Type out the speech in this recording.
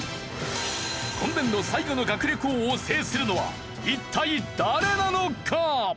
今年度最後の学力王を制するのは一体誰なのか？